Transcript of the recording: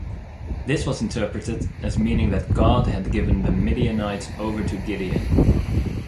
This was interpreted as meaning that God had given the Midianites over to Gideon.